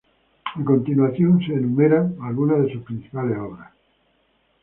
Algunas de sus principales obras se enumeran a continuación.